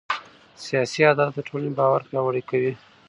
سیاسي عدالت د ټولنې باور پیاوړی کوي